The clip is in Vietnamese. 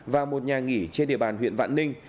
và một nhà nghỉ trên địa bàn huyện vạn ninh